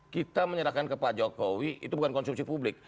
kita menyerahkan ke pak jokowi itu bukan konsumsi publik